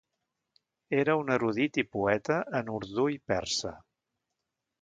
Era un erudit i poeta en urdú i persa.